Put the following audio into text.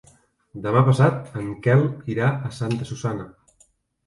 Demà passat en Quel irà a Santa Susanna.